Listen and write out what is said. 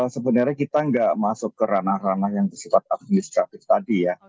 sebenarnya kita nggak masuk ke ranah ranah yang bersifat administratif tadi ya